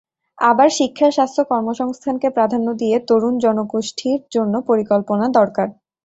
আবার শিক্ষা, স্বাস্থ্য, কর্মসংস্থানকে প্রাধান্য দিয়ে তরুণ জনগোষ্ঠীর জন্য পরিকল্পনা দরকার।